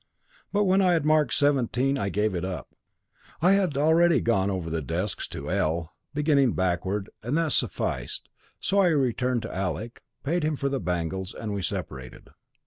But when I had marked seventeen I gave it up. I had already gone over the desks to L, beginning backward, and that sufficed, so I returned to Alec, paid him for the bangles, and we separated.